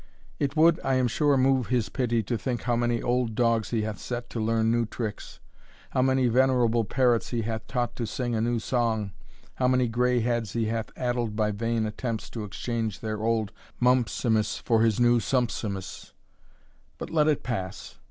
It would, I am sure, move his pity to think how many old dogs he hath set to learn new tricks, how many venerable parrots he hath taught to sing a new song, how many gray heads he hath addled by vain attempts to exchange their old Mumpsimus for his new Sumpsimus. But let it pass.